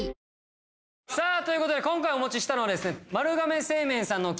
ＪＴさあということで今回お持ちしたのはですね